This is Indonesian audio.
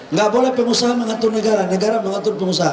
nggak boleh pengusaha mengatur negara negara mengatur pengusaha